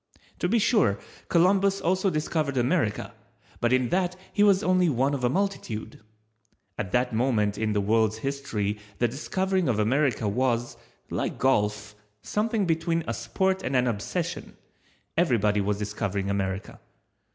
To be sure, Columbus also discovered America, but in that he was only one of a multitude. At that moment in the world's history the discovering of America was, like golf, something between a sport and an obsession, everybody was discovering America.